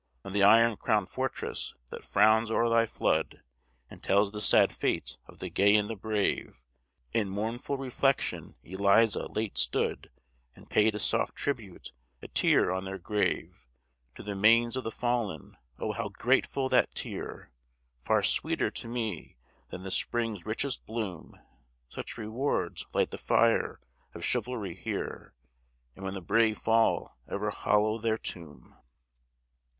On the iron crown'd fortress "that frowns o'er thy flood," And tells the sad fate of the gay and the brave, In mournful reflection Eliza late stood, And paid a soft tribute a tear on their grave. To the manes of the fallen, oh! how grateful that tear! Far sweeter to me than the Spring's richest bloom: Such rewards light the fire of Chivalry here, And when the brave fall ever hallow their tomb.